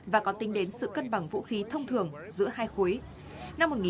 và còn tính đến sự cân bằng vũ khí thông thường giữa hai khối